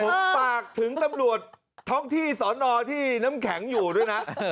ผมฝากถึงตำรวจท้องที่สอนอที่น้ำแข็งอยู่ด้วยนะ